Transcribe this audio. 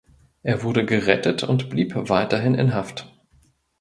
Er wurde gerettet und blieb weiterhin in Haft.